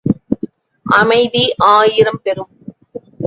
அமைதி ஆயிரம் பெறும்.